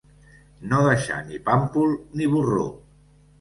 No deixar ni pàmpol ni borró.